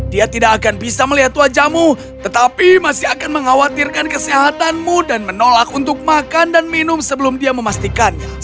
dia tidak akan bisa melihat wajahmu tetapi masih akan mengkhawatirkan kesehatanmu dan menolak untuk makan dan minum sebelum dia memastikannya